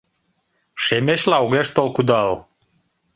Шемечла огеш тол кудал.